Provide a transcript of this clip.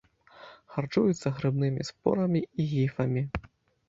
Харчуюцца грыбнымі спорамі і гіфамі.